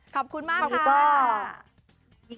ขอบคุณมากค่ะ